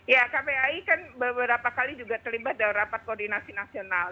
ya kpai kan beberapa kali juga terlibat dalam rapat koordinasi nasional